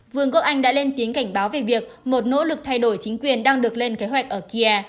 vương quốc anh đã lên tiếng cảnh báo về việc một nỗ lực thay đổi chính quyền đang được lên kế hoạch ở kia